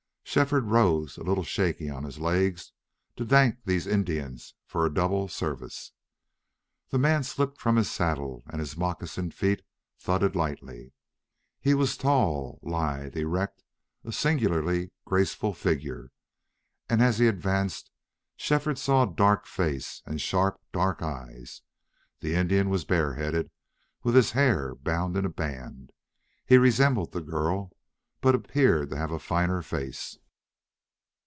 Shefford rose, a little shaky on his legs, to thank these Indians for a double service. The man slipped from his saddle and his moccasined feet thudded lightly. He was tall, lithe, erect, a singularly graceful figure, and as he advanced Shefford saw a dark face and sharp, dark eyes. The Indian was bareheaded, with his hair bound in a band. He resembled the girl, but appeared to have a finer face.